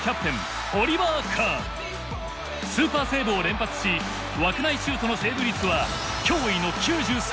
スーパーセーブを連発し枠内シュートのセーブ率は驚異の９３％。